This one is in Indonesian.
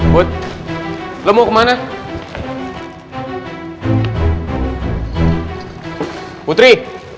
but lo mau kemana putri